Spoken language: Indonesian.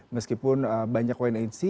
meskipun banyak poin insi